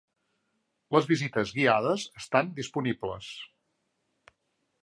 Les visites guiades estan disponibles.